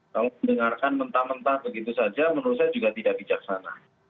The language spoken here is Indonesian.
kalau mendengarkan mentah mentah begitu saja menurut saya juga tidak bijaksana